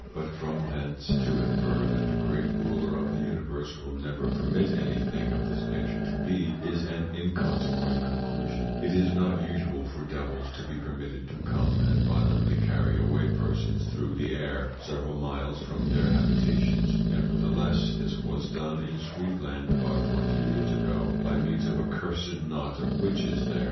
But from thence to infer, that the great Ruler of the Universe will never permit any thing of this nature to be, is an inconsequent Conclusion; it is not usual for Devils to be permitted to come and violently carry away persons through the Air, several miles from their Habitations: Nevertheless, this was done in Sweedland about twenty Years ago, by means of a cursed Knot of Witches there.